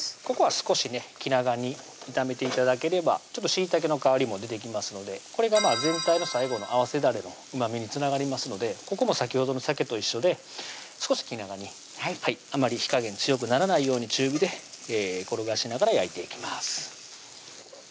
ここは少しね気長に炒めて頂ければしいたけの香りも出てきますのでこれが全体の最後の合わせだれのうまみにつながりますのでここも先ほどのさけと一緒で少し気長にあまり火加減強くならないように中火で転がしながら焼いていきます